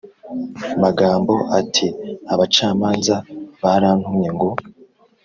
magambo ati Abacamanza baratumye ngo